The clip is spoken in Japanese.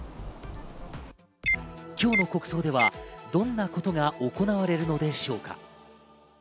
今日の国葬ではどんなことが行われるのでしょうか。